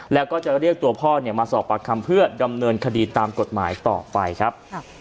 แล้วก็จะเรียกตัวพ่อมาสอบปากคำเพื่อดำเนินคดีตามกฎหมายต่อไปครับ